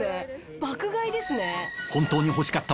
爆買いですね。